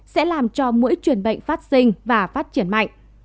sẽ làm cho mũi truyền bệnh phát sinh và phát triển mạnh